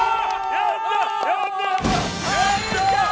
やったー！